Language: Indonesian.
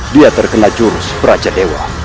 dia terkena jurus peraja dewa